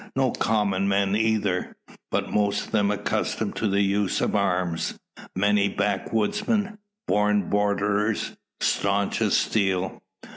No common men either; but most of them accustomed to the use of arms; many backwoodsmen, born borderers, staunch as steel.